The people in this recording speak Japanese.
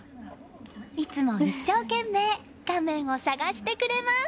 いつも一生懸命画面を探してくれます。